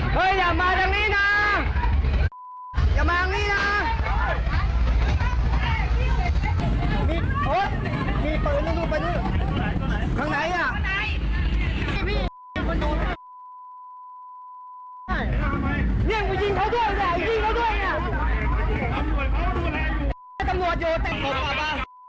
การ์ดรุ่นลมบันแทนชนะ